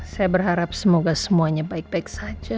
saya berharap semoga semuanya baik baik saja